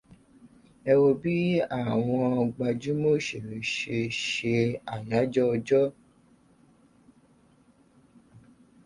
Ẹ wo bí àwọn gbajúmọ̀ òṣèré ṣe ṣe àyájọ́ Ọjọ́